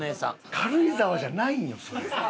軽井沢じゃないんよそれ。